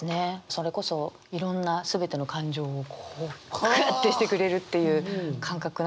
それこそいろんな全ての感情をこうグッてしてくれるっていう感覚なんでしょうね。